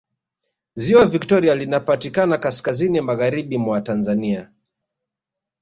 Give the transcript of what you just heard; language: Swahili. Ziwa Viktoria linapatikanankaskazini Magharibi mwa Tanzania